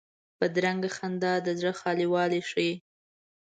بدرنګه خندا د زړه خالي والی ښيي